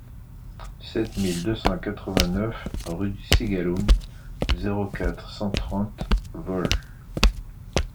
sept mille deux cent quatre-vingt-neuf rue du Cigaloun, zéro quatre, cent trente Volx